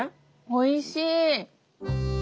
おいしい！